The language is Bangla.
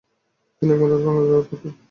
তিনি একমাত্র বাংলা ব্যবহার করতেন।